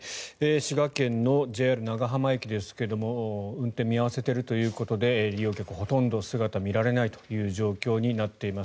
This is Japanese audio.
滋賀県のＪＲ長浜駅ですが運転を見合わせているということで利用客、ほとんど姿が見られないという状況になっています。